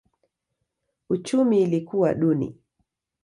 Uchumi ilikuwa duni.